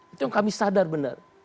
itu yang kami sadar benar